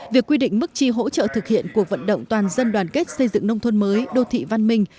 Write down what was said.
việc quy định mức chi hỗ trợ thực hiện cuộc vận động toàn dân đoàn kết xây dựng nông thôn mới đô thị văn minh